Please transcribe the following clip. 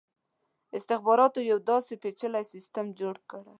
استخباراتو یو داسي پېچلی سسټم جوړ کړ.